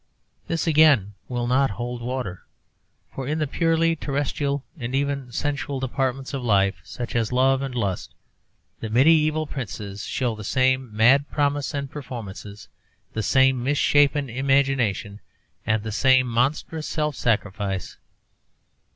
This, again, will not hold water; for in the purely terrestrial and even sensual departments of life, such as love and lust, the medieval princes show the same mad promises and performances, the same misshapen imagination and the same monstrous self sacrifice.